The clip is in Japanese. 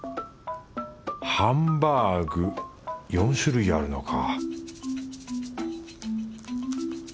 ハンバーグ４種類あるのか